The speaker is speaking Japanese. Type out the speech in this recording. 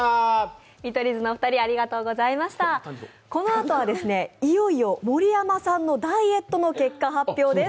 このあとは、いよいよ盛山さんのダイエットの結果発表です。